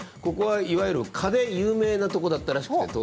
ここはいわゆる蚊で有名なとこだったらしくて。